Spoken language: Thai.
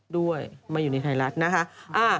ด้วยมาอยู่ในไทยรัฐนะคะ